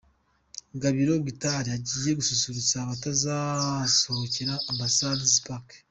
Gabiro Guitar agiye gususurutsa abazasohokera Ambassador's Park.